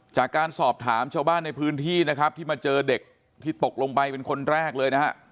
จากการสอบถามชาวบ้านในพื้นที่นะครับที่มาเจอเด็กที่ตกลงไปเป็นคนแรกเลยนะฮะ